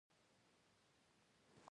د مصري لوی مفکر فرج فوده قاتل وپوښت.